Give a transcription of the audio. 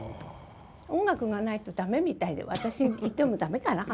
音楽がないと駄目みたいで私いても駄目かな。